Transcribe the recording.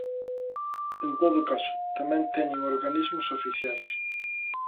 En todo caso, tamén teñen organismos oficiais.